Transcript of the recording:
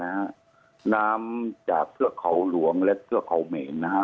นะฮะน้ำจากเครื่องเขาหลวงและเครื่องเขาเหม็นนะฮะ